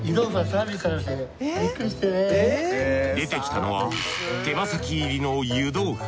出てきたのは手羽先入りの湯豆腐。